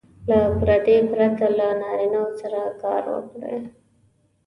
له پردې پرته له نارینه وو سره کار وکړي.